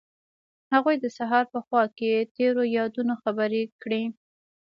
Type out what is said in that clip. هغوی د سهار په خوا کې تیرو یادونو خبرې کړې.